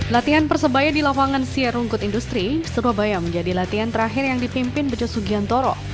latihan persebaya di lapangan siar rungkut industri surabaya menjadi latihan terakhir yang dipimpin bejo sugiantoro